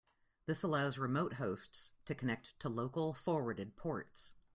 This allows remote hosts to connect to local forwarded ports.